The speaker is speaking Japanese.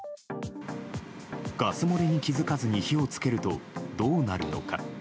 ガス漏れに気づかずに火を付けるとどうなるのか。